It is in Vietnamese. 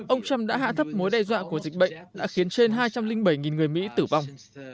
ông trump đã hạ thấp mối đe dọa của dịch bệnh đã khiến trên hai trăm linh bảy người mỹ tử vong